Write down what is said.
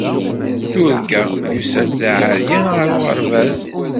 Yurga yusa-d d aɛeryan ɣer uɣerbaz.